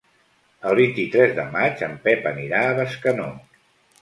El vint-i-tres de maig en Pep anirà a Bescanó.